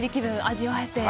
味わえて。